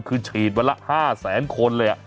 คือฉีดวันละ๕๐๐๐๐๐คนเลย